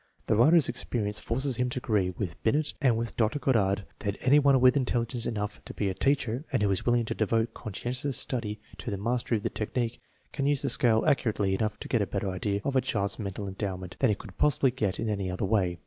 The writer's experience forces him to agree with Binet and with Dr. Goddard, that any one with intelligence enough to be a teacher, and who is willing to devote conscientious study to the mastery of the technique, can use the scale accurately enough to get a better idea of a child's mental endowment than he could possibly get in any other way.